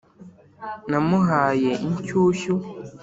namuhaye inshyushyu